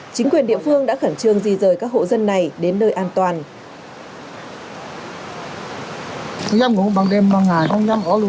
chính quyền địa phương đã khẩn trương di rời các hộ dân này đến nơi an toàn